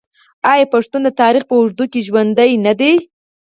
آیا پښتون د تاریخ په اوږدو کې ژوندی نه دی؟